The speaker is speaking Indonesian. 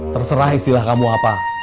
terserah istilah kamu apa